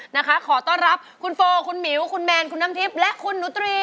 นะคะขอต้อนรับคุณโฟคุณหมิวคุณแมนคุณน้ำทิพย์และคุณหนูตรี